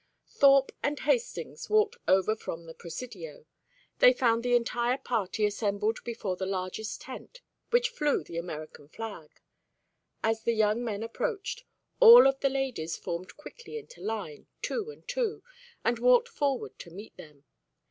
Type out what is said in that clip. Thorpe and Hastings walked over from the Presidio. They found the entire party assembled before the largest tent, which flew the American flag. As the young men approached, all of the ladies formed quickly into line, two and two, and walked forward to meet them.